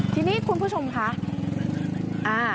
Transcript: ทีนี้คุณผู้ชมคะ